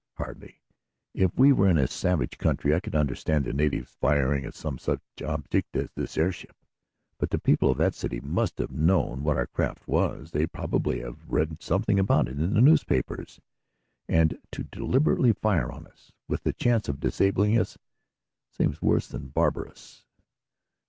"Hardly. If we were in a savage country I could understand the natives firing at some such object as this airship, but the people of that city must have known what our craft was. They probably have read something about it in the news papers, and to deliberately fire on us, with the chance of disabling us, seems worse than barbarous."